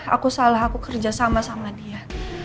aku salah aku kerja sama sama dia